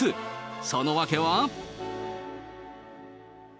その訳は。